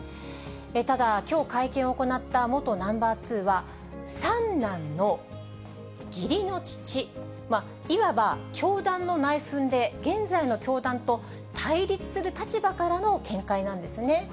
ただ、きょう会見を行った元ナンバー２は、三男の義理の父、いわば教団の内紛で、現在の教団と対立する立場からの見解なんですね。